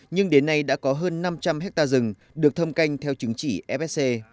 nhưng đến nay đã có hơn năm trăm linh hectare rừng được thâm canh theo chứng chỉ fsc